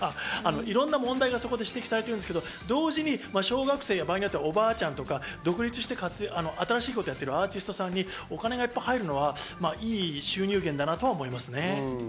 いろんな問題が指摘されているんですけど、場合によってはおばあちゃんとか、独立して新しいことやってるアーティストさんにお金が入るのはいい収入減だなと思いますね。